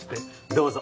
どうぞ。